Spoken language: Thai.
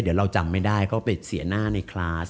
เดี๋ยวเราจำไม่ได้ก็ไปเสียหน้าในคลาส